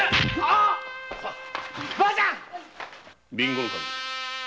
備後守。